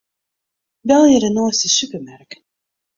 Belje de neiste supermerk.